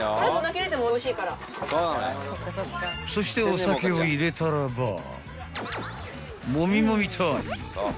［そしてお酒を入れたらば］